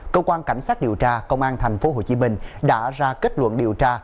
công an cảnh sát điều tra công an tp hồ chí minh đã ra kết luận điều tra